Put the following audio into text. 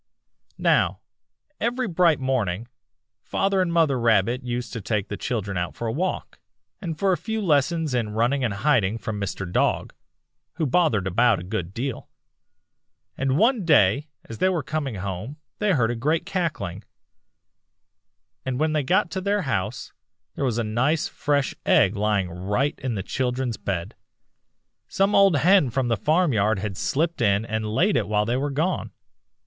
[Illustration: A FEW LESSONS IN RUNNING AND HIDING.] "'Now, every bright morning, Father and Mother Rabbit used to take the children out for a walk, and for a few lessons in running and hiding from Mr. Dog, who bothered about a good deal, and one day as they were coming home they heard a great cackling, and when they got to their house there was a nice fresh egg lying right in the children's bed. Some old hen from the farmyard had slipped in and laid it while they were gone.